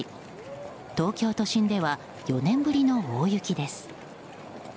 東京都心では４年ぶりの大雪です。